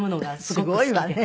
すごいわね。